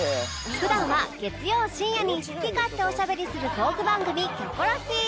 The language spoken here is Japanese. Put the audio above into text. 普段は月曜深夜に好き勝手おしゃべりするトーク番組『キョコロヒー』